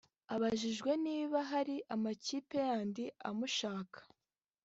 Abajijwe niba hari amakipe yandi amushaka